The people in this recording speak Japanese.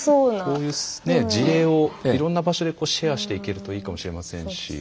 こういう事例をいろんな場所でシェアしていけるといいかもしれませんし。